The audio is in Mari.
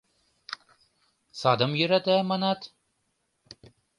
Садым йӧрата, манат?